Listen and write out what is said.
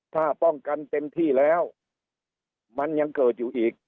ถ้าป้องกันเต็มที่แล้วมันยังเกิดอยู่อีก